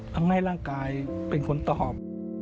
ทำให้ร่างกายเป็นคนตอบ